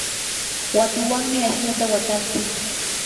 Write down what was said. watuwanmi ashnuta watantsik.